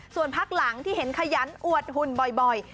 ส่วนพักหลังที่เห็นขยันอวดหุ่นบ่อย